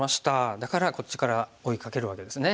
だからこっちから追いかけるわけですね。